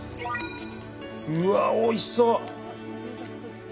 うわあ、おいしそう。